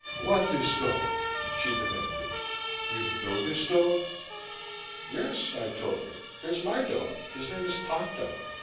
"What this dog?" she demanded. "You know this dog?" "Yes," I told her. "It's my dog. His name is Ponto.